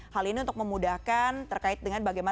hal ini untuk memudahkan terkait dengan bagaimana